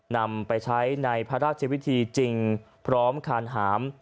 นำไปใช้ในพระราชวิธีจริงพร้อมคานหาม